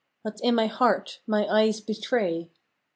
What s in my heart my eyes betray.